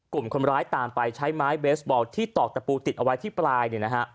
กลุ่มคนร้ายตามไปใช้ไม้เบสบอลที่ตอกตะปูติดเอาไว้ที่ปลาย